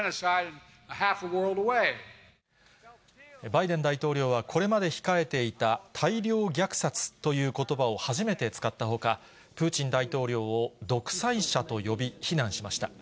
バイデン大統領はこれまで控えていた大量虐殺ということばを初めて使ったほか、プーチン大統領を独裁者と呼び、非難しました。